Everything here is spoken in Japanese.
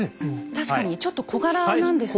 確かにちょっと小柄なんですね。